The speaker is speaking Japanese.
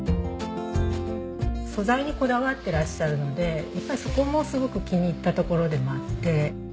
素材にこだわってらっしゃるのでやっぱりそこもすごく気に入ったところでもあって。